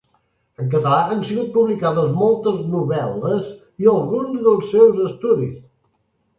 En català han sigut publicades moltes novel·les i alguns dels seus estudis.